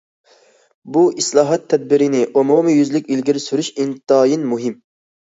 بۇ ئىسلاھات تەدبىرىنى ئومۇميۈزلۈك ئىلگىرى سۈرۈش ئىنتايىن مۇھىم.